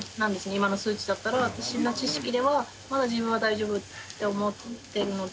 今の数値だったら私の知識ではまだ自分は大丈夫って思ってるので。